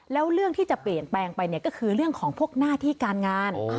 แล้วเรื่องที่จะเปลี่ยนแปลงไปเนี่ยก็คือเรื่องของพวกหน้าที่การงาน